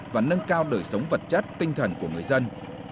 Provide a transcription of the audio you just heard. và nâng cao đời sống vật chất tinh thần của người dân